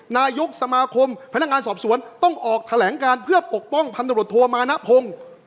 นายกสมาคมพนักงานสอบสวนต้องออกแถลงการเพื่อปกป้องพันธบทโทมานะพงศ์